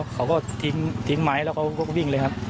ตอนนั้นเขาก็เลยรีบวิ่งออกมาดูตอนนั้นเขาก็เลยรีบวิ่งออกมาดู